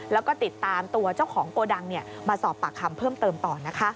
แล้วก็ติดตามตัวเจ้าของโกดังมาสอบปากคำเพิ่มเติมต่อนะคะ